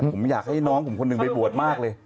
ผมอยากให้น้องผมคนหนึ่งไปบวชมากเลย